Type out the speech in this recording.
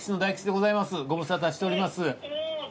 ご無沙汰しております。